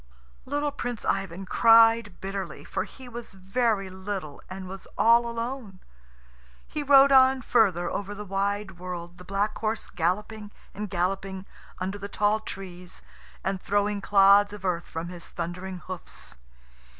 Little Prince Ivan cried bitterly, for he was very little and was all alone. He rode on further over the wide world, the black horse galloping and galloping under the tall trees, and throwing clods of earth from his thundering hoofs.